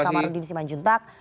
kamarudin siman juntag